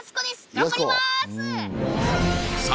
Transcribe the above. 頑張ります